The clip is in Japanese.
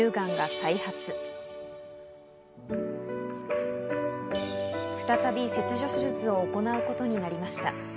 再び切除手術を行うことになりました。